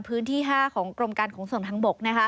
พื้นที่๕ของกรมการขนส่งทางบก